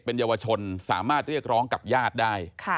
เป็นเยาวชนสามารถเรียกร้องกับญาติได้